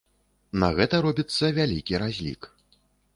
На гэта робіцца вялікі разлік.